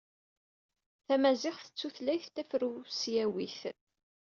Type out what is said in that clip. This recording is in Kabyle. Tamaziɣt d tutlayt tafrusyawit.